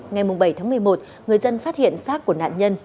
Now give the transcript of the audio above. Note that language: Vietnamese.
ngày bảy tháng một mươi một người dân phát hiện xác của nạn nhân